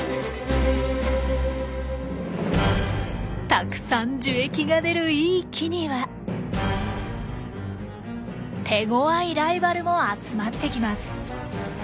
たくさん樹液が出るいい木には手ごわいライバルも集まってきます。